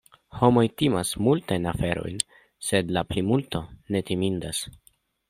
Homoj timas multajn aferojn, sed la plimulto ne timindas.